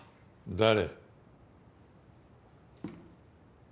誰？